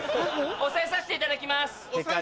押さえさせていただきます！